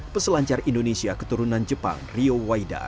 peselancar indonesia keturunan jepang rio waida